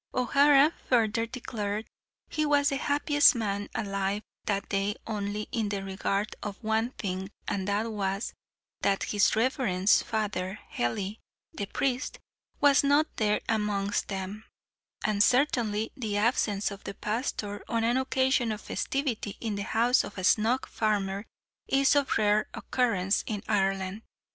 O'Hara further declared, he was the happiest man alive that day only in the regard "of one thing, and that was, that his reverence, Father Hely (the priest) was not there amongst them;" and, certainly, the absence of the pastor on an occasion of festivity in the house of a snug farmer, is of rare occurrence in Ireland.